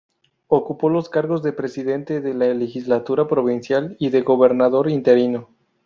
Ocupó los cargos de presidente de la legislatura provincial y de gobernador interino.